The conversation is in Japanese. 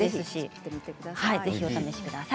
ぜひお試しください。